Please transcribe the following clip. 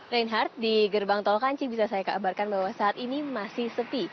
reinhardt di gerbang tol kanci bisa saya kabarkan bahwa saat ini masih sepi